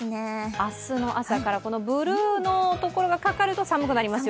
明日の朝から、このブルーのところがかかると寒くなりますよ。